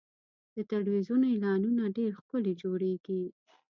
د تلویزیون اعلانونه ډېر ښکلي جوړېږي.